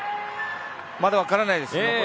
まだ分からないですね。